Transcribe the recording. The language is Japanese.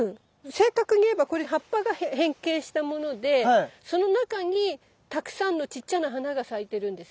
正確に言えばこれ葉っぱが変形したものでその中にたくさんのちっちゃな花が咲いてるんです。